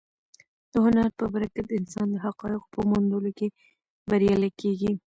د هنر په برکت انسان د حقایقو په موندلو کې بریالی کېږي.